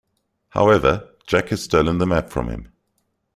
However, Jack has stolen the map from him.